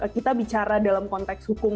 kita bicara dalam konteks hukum